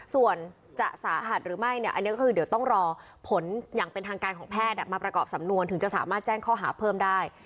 ส่วนจะสาหัสหรือไม่เนี่ยอันนี้ก็คือเดี๋ยวต้องรอผลอย่างเป็นทางการของแพทย์มาประกอบสำนวนถึงจะสามารถแจ้งข้อหาเพิ่มได้